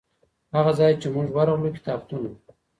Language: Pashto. هغه ځای چي موږ ورغلو کتابتون و.